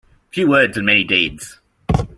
Few words and many deeds.